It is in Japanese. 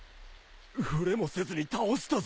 触れもせずに倒したぞ。